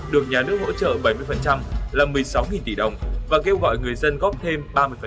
được nhà nước hỗ trợ bảy mươi là một mươi sáu tỷ đồng và kêu gọi người dân góp thêm ba mươi